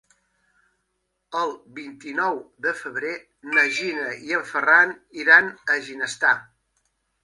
El vint-i-nou de febrer na Gina i en Ferran iran a Ginestar.